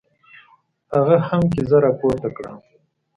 هغه هم کیزه را پورته کړه.